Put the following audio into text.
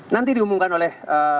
nanti diumumkan oleh